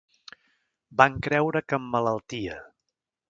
Van creure que emmalaltia.